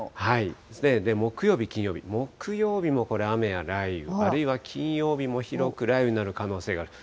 木曜日、金曜日、木曜日もこれ雨や雷雨、あるいは金曜日も広く雷雨になる可能性がある。